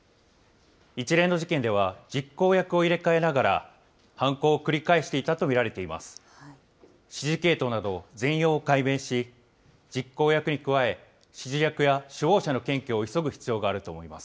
一連の事件では、実行役を入れ替えながら、犯行を繰り返していたと見られています。